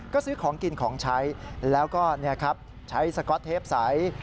ก็ซื้อของกินของใช้แล้วก็ใช้สก๊อตเทปใส